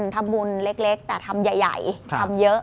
ทำบุญเล็กแต่ทำใหญ่ทำเยอะ